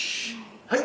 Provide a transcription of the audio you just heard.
はい。